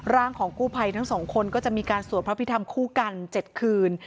ร่างของกู้ภัยทั้งสองคนก็จะมีการสวดพระพิธรรมคู่กัน๗คืน